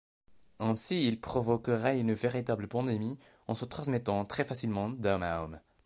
Ainsi, il provoquerait une véritable pandémie en se transmettant très facilement d'homme à homme.